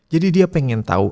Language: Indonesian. jadi dia pengen tau